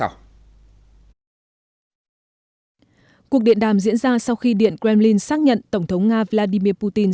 cuộc điện đàm diễn ra sau khi điện kremlin xác nhận tổng thống nga vladimir putin